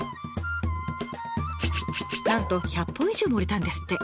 なんと１００本以上も売れたんですって。